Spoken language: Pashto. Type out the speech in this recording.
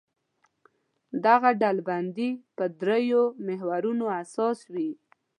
دغه ډلبندي پر درېیو محورونو اساس وي.